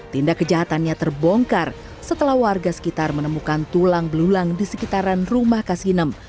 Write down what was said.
tindak kejahatannya terbongkar setelah warga sekitar menemukan tulang belulang di sekitaran rumah kasinem